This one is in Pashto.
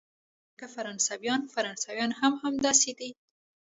جګړن وویل: لکه فرانسویان، فرانسویان هم همداسې دي.